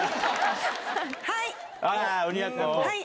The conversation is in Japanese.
はい！